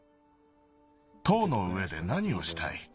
塔の上でなにをしたい？